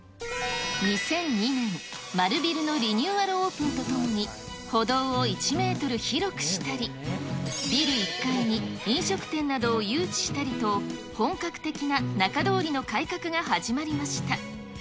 ２００２年、丸ビルのリニューアルオープンとともに、歩道を１メートル広くしたり、ビル１階に飲食店などを誘致したりと、本格的な仲通りの改革が始まりました。